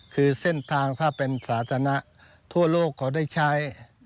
คือเส้นทางถ้าเป็นสาธารณะทั่วโลกเขาได้ใช้